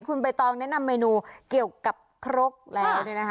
คุณประตองแนะนำเมนูเกี่ยวกับแล้วนี่นะคะ